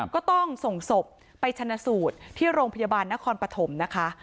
ก็ต้องส่งศพไปชนะสูตรที่โรงพยาบาลนครปฐมนะคะ